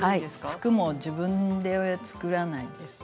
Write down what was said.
服も自分で作らないです。